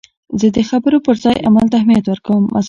زه د خبرو پر ځای عمل ته اهمیت ورکوم.